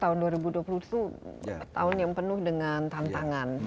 tahun dua ribu dua puluh itu tahun yang penuh dengan tantangan